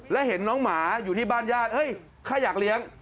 แล้วเห็นน้องหมาอยู่ที่บ้านญาติแค่อยากเลี้ยง